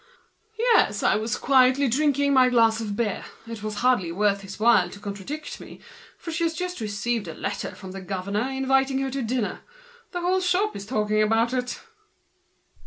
"Yes, I was quietly drinking my glass of beer. It was hardly worthwhile contradicting me, she has just received a letter from the governor inviting her to dinner. The whole shop is talking about it."